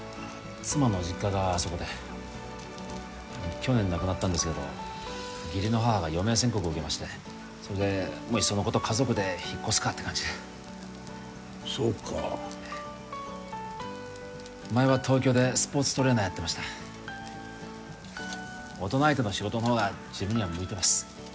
妻の実家があそこで去年亡くなったんですけど義理の母が余命宣告を受けましてそれでもういっそのこと家族で引っ越すかって感じでそうか前は東京でスポーツトレーナーやってました大人相手の仕事のほうが自分には向いてます